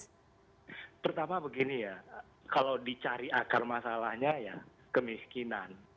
ya pertama begini ya kalau dicari akar masalahnya ya kemiskinan